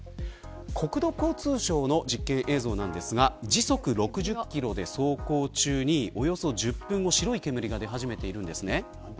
国土交通省の実験映像ですが時速６０キロで走行中におよそ１０分後白い煙が出始めています。